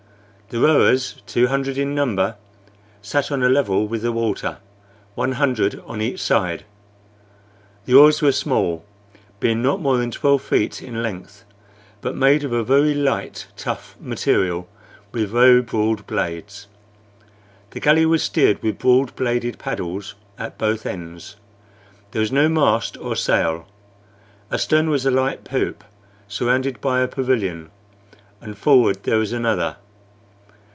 The rowers, two hundred in number, sat on a level with the water, one hundred on each side. The oars were small, being not more than twelve feet in length, but made of very light, tough material, with very broad blades. The galley was steered with broad bladed paddles at both ends. There was no mast or sail. Astern was a light poop, surrounded by a pavilion, and forward there was another.